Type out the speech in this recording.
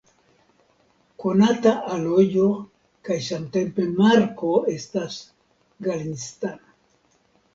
Konata alojo kaj samtempe marko estas "Galinstan".